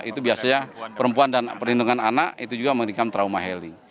itu biasanya perempuan dan perlindungan anak itu juga memberikan trauma heli